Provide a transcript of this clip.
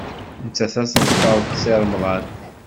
Nettat ad teḍfer Si Remḍan.